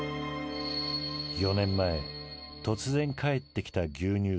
４年前突然帰ってきた牛乳瓶。